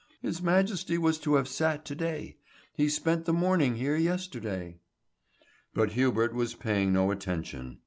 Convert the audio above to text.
His Majesty was to have sat to day; he spent the morning here yesterday." But Hubert was paying no attention.